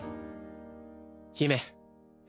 姫。